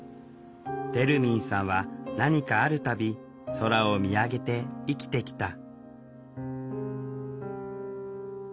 てるみんさんは何かあるたび空を見上げて生きてきた